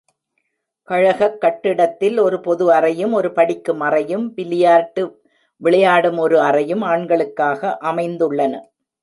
கழகக் கட்டிடத்தில் ஒரு பொது அறையும், ஒரு படிக்கும் அறையும், பில்லியார்டு விளையாடும் ஒரு அறையும் ஆண்களுக்காக அமைந்துள்ளன.